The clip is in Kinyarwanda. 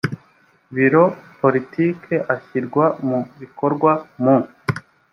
biro politiki ashyirwa mu bikorwa mu